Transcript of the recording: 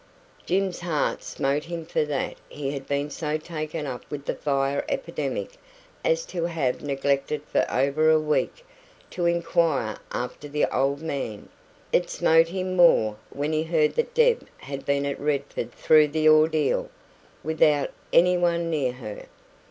Jim's heart smote him for that he had been so taken up with the fire epidemic as to have neglected for over a week to inquire after the old man; it smote him more when he heard that Deb had been at Redford through the ordeal, without "anyone" near her.